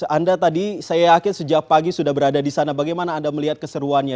anda tadi saya yakin sejak pagi sudah berada di sana bagaimana anda melihat keseruannya